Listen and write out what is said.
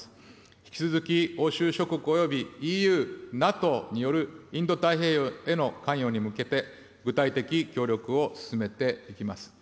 引き続き、欧州諸国及びＥＵ、ＮＡＴＯによるインド太平洋への関与に向けて、具体的協力を進めていきます。